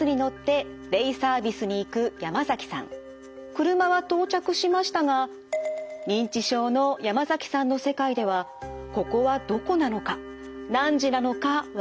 車は到着しましたが認知症の山崎さんの世界ではここはどこなのか何時なのかわからなくなっていました。